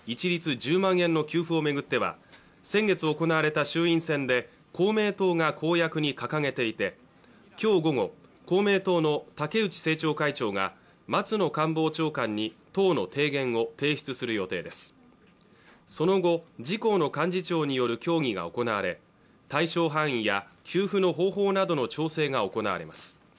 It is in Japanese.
１０万円の給付を巡っては先月行われた衆院選で公明党が公約に掲げていてきょう午後公明党の竹内政調会長が松野官房長官に党の提言を提出する予定ですその後自公の幹事長による協議が行われ対象範囲や給付の方法などの調整が行われます